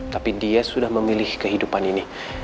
tapi dia sudah memilih kehidupan ini